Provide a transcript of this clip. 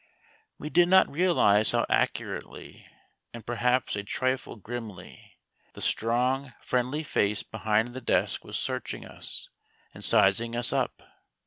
We did not realize how accurately and perhaps a trifle grimly the strong, friendly face behind the desk was searching us and sizing us up.